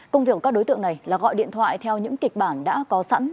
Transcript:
công việc của các đối tượng này là gọi điện thoại theo những kịch bản đã có sẵn